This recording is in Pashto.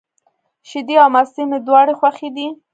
شیدې او مستې مي دواړي خوښي دي.